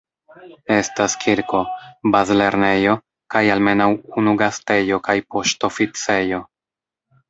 Estas kirko, bazlernejo, kaj almenaŭ unu gastejo kaj poŝtoficejo.